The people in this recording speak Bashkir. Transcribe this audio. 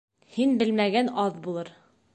Һин белмәгән аҙ булыр